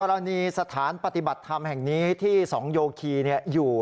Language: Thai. สถานปฏิบัติธรรมแห่งนี้ที่สองโยคีอยู่